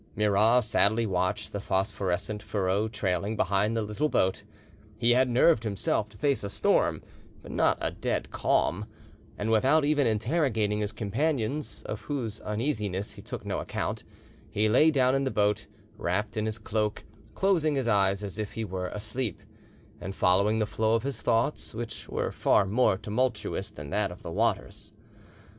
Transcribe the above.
Murat sadly watched the phosphorescent furrow trailing behind the little boat: he had nerved himself to face a storm, but not a dead calm, and without even interrogating his companions, of whose uneasiness he took no account, he lay down in the boat, wrapped in his cloak, closing his eyes as if he were asleep, and following the flow of his thoughts, which were far more tumultuous than that of the waters.